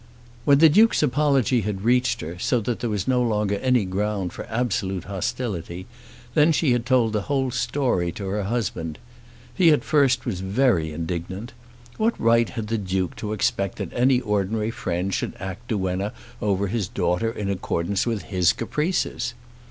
When the Duke's apology had reached her, so that there was no longer any ground for absolute hostility, then she had told the whole story to her husband. He at first was very indignant. What right had the Duke to expect that any ordinary friend should act duenna over his daughter in accordance with his caprices?